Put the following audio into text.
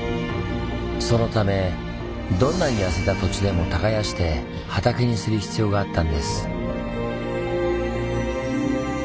そのためどんなに痩せた土地でも耕して畑にする必要があったんです。